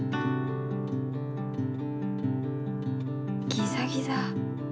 ギザギザ。